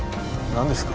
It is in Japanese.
何ですか？